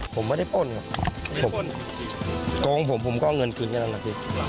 ผมไม่ได้ปล้นครับกองผมก็เอาเงินคืนกันแล้วครับ